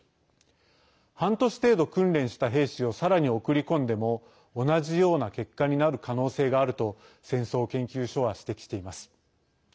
半年程度、訓練した兵士をさらに送り込んでも同じような結果になる可能性があると戦争研究所は指摘しています。